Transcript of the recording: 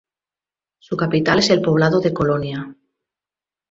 Su capital es el poblado de Colonia.